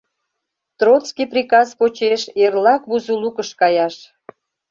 Троцкий приказ почеш эрлак Бузулукыш каяш...